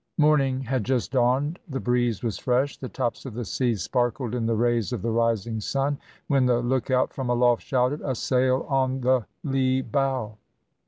Morning had just dawned, the breeze was fresh, the tops of the seas sparkled in the rays of the rising sun, when the lookout from aloft shouted, "A sail on the lee bow!"